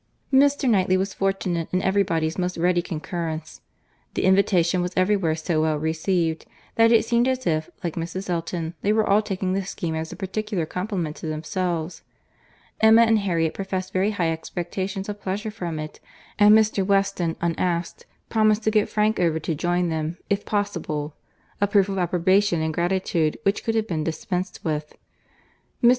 Mr. Knightley was fortunate in every body's most ready concurrence. The invitation was everywhere so well received, that it seemed as if, like Mrs. Elton, they were all taking the scheme as a particular compliment to themselves.—Emma and Harriet professed very high expectations of pleasure from it; and Mr. Weston, unasked, promised to get Frank over to join them, if possible; a proof of approbation and gratitude which could have been dispensed with.—Mr.